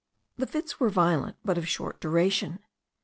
The fits were violent, but of short duration.